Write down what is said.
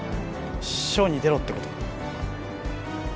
ショーに出ろってこと？